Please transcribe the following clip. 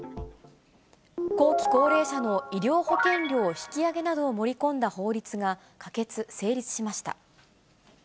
後期高齢者の医療保険料引き上げなどを盛り込んだ法律が可決・成立しました。